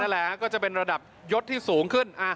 แหละก็จะเป็นระดับยศที่สูงขึ้น